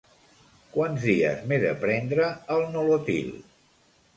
Quants dies m'he de prendre el Nolotil?